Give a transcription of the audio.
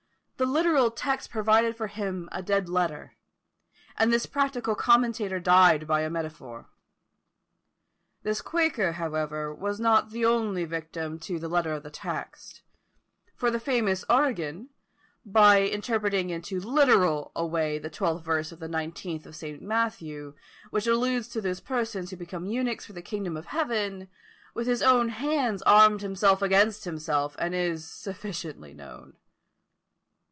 The literal text proved for him a dead letter, and this practical commentator died by a metaphor. This quaker, however, was not the only victim to the letter of the text; for the famous Origen, by interpreting in too literal a way the 12th verse of the 19th of St. Matthew, which alludes to those persons who become eunuchs for the kingdom of heaven, with his own hands armed himself against himself, as is sufficiently known.